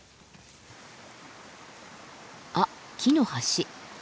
あっ木の橋。